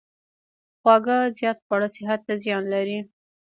خواږه زیات خوړل صحت ته زیان لري.